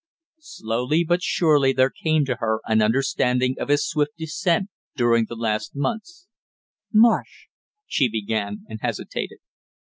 Slowly but surely there came to her an understanding of his swift descent during the last months. "Marsh " she began, and hesitated.